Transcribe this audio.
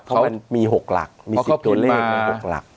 เพราะมันมี๖หลักมี๑๐ตัวเลขมี๖หลัก